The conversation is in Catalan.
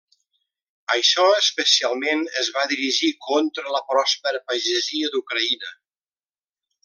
Això especialment es va dirigir contra la pròspera pagesia d'Ucraïna.